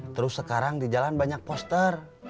terus sekarang di jalan banyak poster